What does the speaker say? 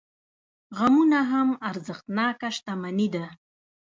غمونه هم ارزښتناکه شتمني ده.